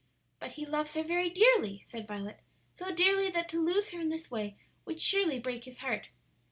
"But he loves her very dearly," said Violet; "so dearly that to lose her in this way would surely break his heart."